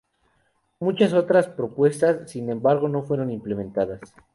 Muchas otras propuestas, sin embargo, no fueron implementadas.